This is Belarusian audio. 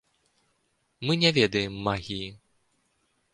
Мы не ведаем магіі.